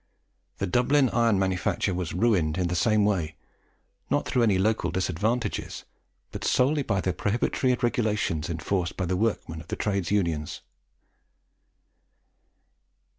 The Dublin iron manufacture was ruined in the same way; not through any local disadvantages, but solely by the prohibitory regulations enforced by the workmen of the Trades Unions.